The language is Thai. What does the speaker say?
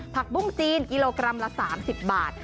ปุ้งจีนกิโลกรัมละ๓๐บาท